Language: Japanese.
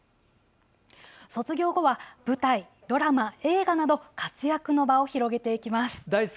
卒業後は舞台、ドラマ、映画など活躍の場を広げていきます。